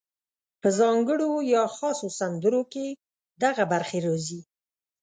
په ځانګړو یا خاصو سندرو کې دغه برخې راځي: